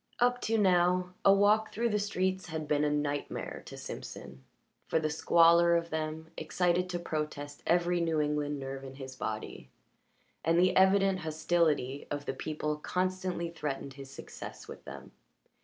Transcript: Up to now a walk through the streets had been a night mare to Simpson, for the squalor of them excited to protest every New England nerve in his body, and the evident hostility of the people constantly threatened his success with them.